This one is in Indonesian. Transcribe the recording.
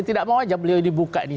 tidak mau aja beliau dibuka nih